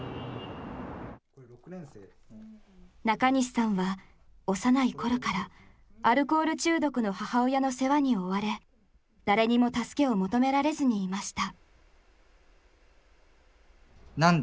中西さんは幼い頃からアルコール中毒の母親の世話に追われ誰にも助けを求められずにいました。